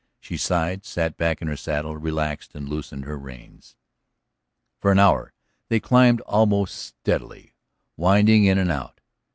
She sighed, sat back in her saddle, relaxed, and loosened her reins. For an hour they climbed almost steadily, winding in and out.